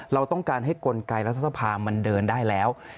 เราต้องการให้กลไกรัฐสภามันเดินได้แล้ว